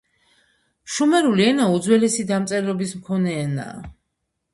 შუმერული ენა უძველესი დამწერლობის მქონე ენაა.